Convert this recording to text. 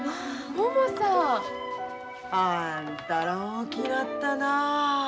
ももさん。あんたら大きなったなあ。